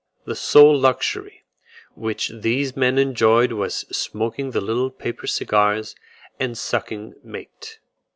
The sole luxury which these men enjoyed was smoking the little paper cigars, and sucking mate.